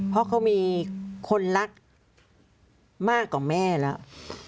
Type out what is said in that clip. เพราะเขามีคนรักมากกว่าแม่แล้ว